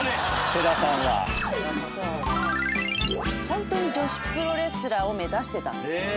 「ホントに女子プロレスラーを目指してたんですよ」